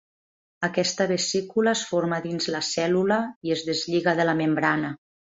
Aquesta vesícula es forma a dins la cèl·lula i es deslliga de la membrana.